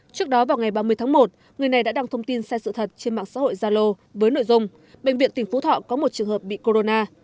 trước đó vào ngày ba mươi tháng một người này đã đăng thông tin sai sự thật trên mạng xã hội zalo với nội dung bệnh viện tỉnh phú thọ có một trường hợp bị corona